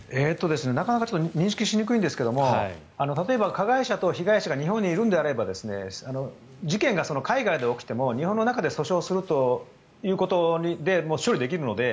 なかなか認識しにくいんですが例えば加害者と被害者が日本にいるのであれば事件が海外で起きても日本の中で訴訟するということで処理できるので。